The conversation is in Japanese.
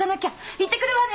いってくるわね！